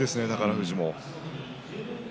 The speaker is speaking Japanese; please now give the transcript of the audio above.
富士も。